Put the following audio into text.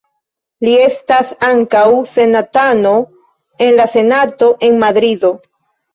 Li estas ankaŭ senatano en la Senato en Madrido.